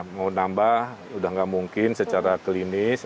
mau nambah udah nggak mungkin secara klinis